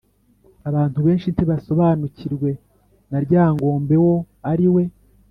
Abantu benshi ntibasobanukiwe na Ryangombe wo ari we.